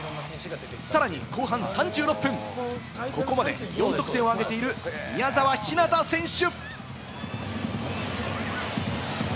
さらに後半３６分、ここまで４得点を挙げている、宮澤ひなた選手。